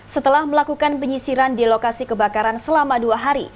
setelah melakukan penyisiran di lokasi kebakaran selama dua hari